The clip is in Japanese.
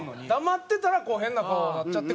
黙ってたら変な顔になっちゃって。